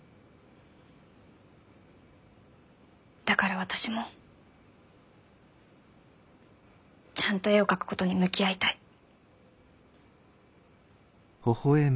だから私もちゃんと絵を描くことに向き合いたい。